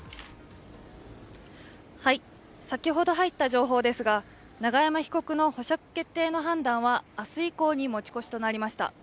先ほど入った情報ですが永山被告の保釈決定の判断は明日以降に持ち越しとなりました。